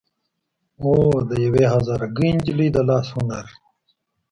او د يوې هزاره ګۍ نجلۍ د لاس هنر